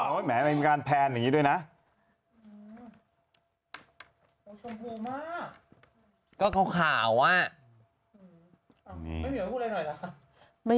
คือไม่ว่าจะเกิดอะไรขึ้นกระตามันคือหน้าที่ของเราที่เราต้องทำ